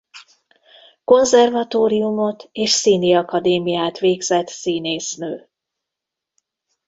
Konzervatóriumot és Színiakadémiát végzett színésznő.